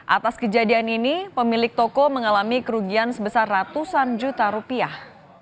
atas kejadian ini pemilik toko mengalami kerugian sebesar ratusan juta rupiah